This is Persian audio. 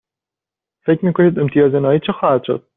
فکر می کنید امتیاز نهایی چه خواهد شد؟